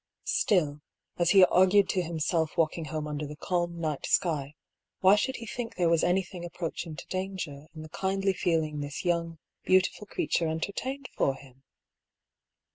Still, as he argued to himself walking home under the calm night sky, why should he think there was anything approaching to danger in the kindly feeling this young, beautiful creature entertained for him